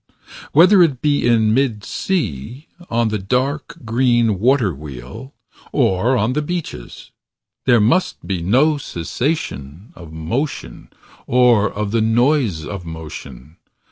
Whether it be in mid sea On the dark, green water wheel. Or on the beaches. There must be no cessation Of motion, or of the noise of motion.